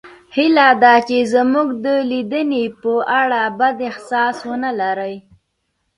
هیله ده چې زموږ د لیدنې په اړه بد احساس ونلرئ